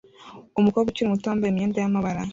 Umukobwa ukiri muto wambaye imyenda y'amabara